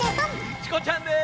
チコちゃんです！